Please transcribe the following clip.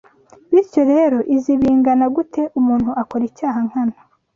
Bityo rero izi bingana gute umuntu akora icyaha nkana